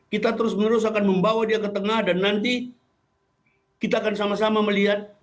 kita terus menerus akan membawa dia ke tengah dan nanti kita akan sama sama melihat